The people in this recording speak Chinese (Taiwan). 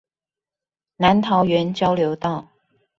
南桃園交流道